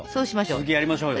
続きやりましょうよ。